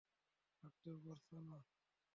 হাঁটতেও পারছ না।